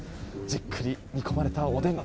じっくり煮込まれたおでん。